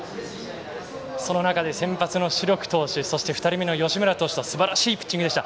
その中で、先発の代木投手そして、２人目の吉村投手とすばらしいピッチングでした。